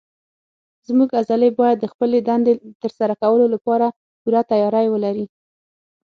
زموږ عضلې باید د خپلې دندې تر سره کولو لپاره پوره تیاری ولري.